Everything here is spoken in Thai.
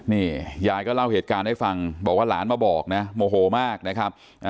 นี่ยายก็เล่าเหตุการณ์ให้ฟังบอกว่าหลานมาบอกนะโมโหมากนะครับ